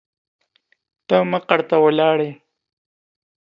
ته مقر ته ولاړې.